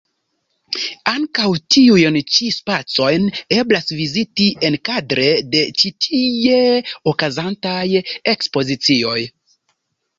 Ankaŭ tiujn ĉi spacojn eblas viziti enkadre de ĉi tie okazantaj ekspozicioj.